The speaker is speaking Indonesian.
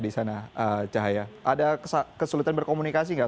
di sana cahaya ada kesulitan berkomunikasi nggak